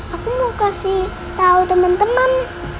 aku mau kasih tau temen temen